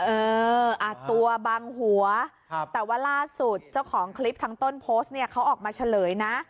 เอออ่ะตัวบังหัวแต่ว่าล่าสุดเจ้าของคลิปทางต้นโพสต์เนี่ยเขาออกมาเฉลยนะ